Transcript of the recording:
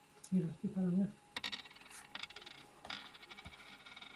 Bet pēdējo Saeimu laikā tā stratēģija ir apmēram tāda: balstām tikai savējos.